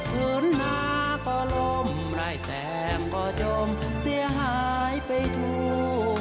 คืนน้าก็ล้มรายแตมก็จมเสียหายไปทั่ว